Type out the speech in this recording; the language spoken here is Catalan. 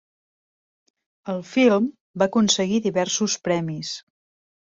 El film va aconseguir diversos premis.